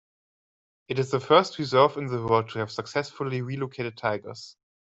It is the first reserve in the world to have successfully relocated tigers.